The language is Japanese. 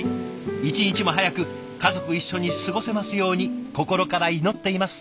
一日も早く家族一緒に過ごせますように心から祈っています。